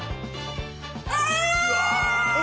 えっ！